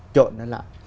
trộn nó lại